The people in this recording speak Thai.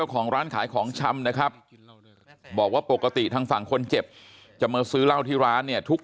ของร้านขายของชำนะครับบอกว่าปกติทางฝั่งคนเจ็บจะมาซื้อเหล้าที่ร้านเนี่ยทุก